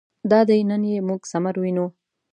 دادی نن یې موږ ثمر وینو.